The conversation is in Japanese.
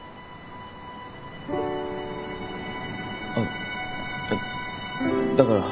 あっえっだから。